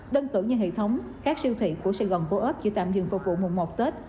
đơn cử như hệ thống các siêu thị của sài gòn co op chỉ tạm dừng phục vụ mùng một tết